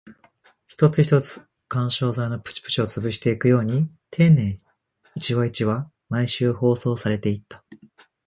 一つ一つ、緩衝材のプチプチを潰していくように丁寧に、一話一話、毎週放送されていった